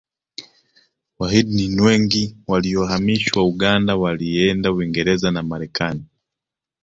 wahidni nwengi waliyohamishwa uganda walienda uingerez na marekani